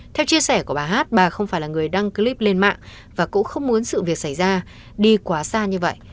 theo chia sẻ của bà hát bà không phải là người đăng clip lên mạng và cũng không muốn sự việc xảy ra đi quá xa như vậy